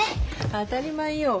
当たり前よ。